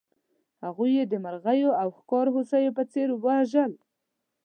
هغوی یې د مرغیو او ښکار هوسیو په څېر وژل.